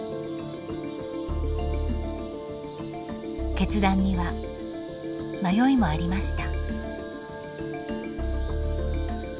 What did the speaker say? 決断には迷いもありました。